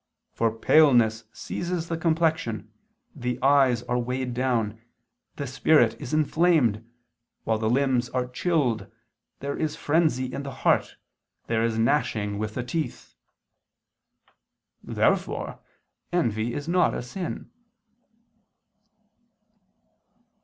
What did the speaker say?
For paleness seizes the complexion, the eyes are weighed down, the spirit is inflamed, while the limbs are chilled, there is frenzy in the heart, there is gnashing with the teeth." Therefore envy is not a sin.